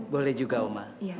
boleh juga oma